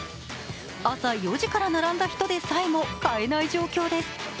朝４時から並んだ人でさえも買えない状況です。